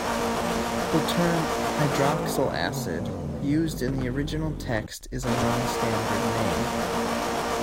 The term "hydroxyl acid" used in the original text is a non-standard name.